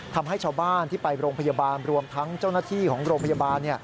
ทำให้ชาวบ้านที่ไปโรงพยาบาลรวมทั้งเจ้าหน้าที่ของโรงพยาบาล